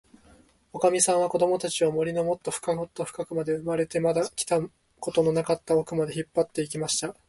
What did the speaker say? おかみさんは、こどもたちを、森のもっともっとふかく、生まれてまだ来たことのなかったおくまで、引っぱって行きました。